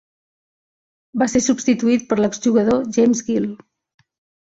Va ser substituït per l'exjugador James Gill.